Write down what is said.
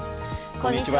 こんにちは。